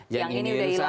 yang ini sudah hilang